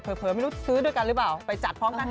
ไม่รู้ซื้อด้วยกันหรือเปล่าไปจัดพร้อมกัน